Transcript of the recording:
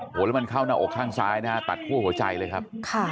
โหมันเข้าในอกข้างซายนะตัดคั่วหัวใจเลยครับ